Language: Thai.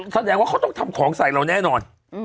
แสดงว่าเขาต้องทำของใส่เราแน่นอน